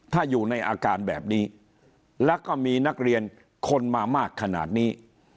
ถ้าอยู่ในอาการแบบนี้แล้วก็มีนักเรียนคนมามากขนาดนี้